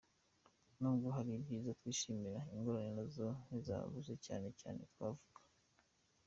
N’ubwo hari ibyiza twishimira, ingorane nazo ntizabuze, cyane cyane twavuga: